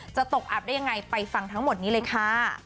จะตกอับได้ยังไงไปฟังทั้งหมดนี้เลยค่ะ